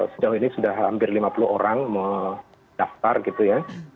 sejauh ini sudah hampir lima puluh orang mendaftar gitu ya